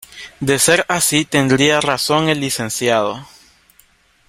De ser así tendría razón el Lic.